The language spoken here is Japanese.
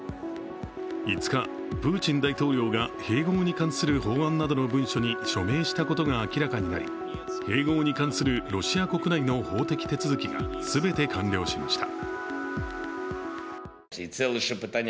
５日、プーチン大統領が併合に関する法案などの文書に署名したことが明らかになり、併合に関するロシア国内の法的手続きが全て完了しました。